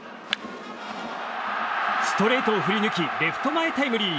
ストレートを振り抜きレフト前タイムリー。